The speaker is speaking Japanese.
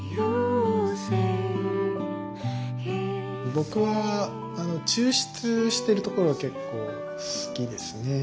僕は抽出してるところ結構好きですね。